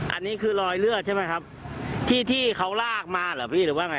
อันนี้คือรอยเลือดใช่ไหมครับที่ที่เขาลากมาเหรอพี่หรือว่าไง